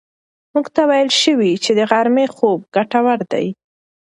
موږ ته ویل شوي چې د غرمې خوب ګټور دی.